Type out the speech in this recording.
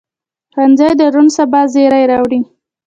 ښوونځی د روڼ سبا زېری راوړي